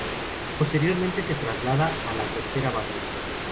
Posteriormente, se traslada a la tercera base.